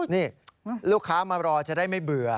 นี่ลูกค้ามารอจะได้ไม่เบื่อ